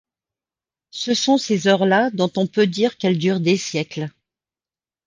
Ce sont ces heures-là dont on peut dire qu’elles durent des siècles.